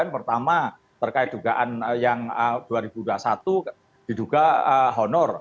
pertama terkait dugaan yang dua ribu dua puluh satu diduga honor